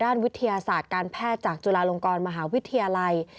วิทยาศาสตร์การแพทย์จากจุฬาลงกรมหาวิทยาลัย